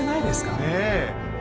ねえ。